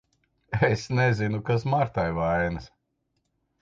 Es nezinu, kas Martai vainas.